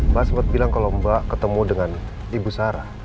mbak sempat bilang kalau mbak ketemu dengan ibu sarah